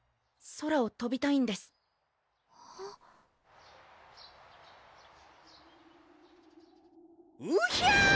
空をとびたいんですうひゃ！